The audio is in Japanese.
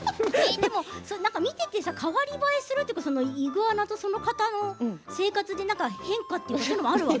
見ていて代わり映えするというかイグアナとその方の生活の変化というのはあるわけ？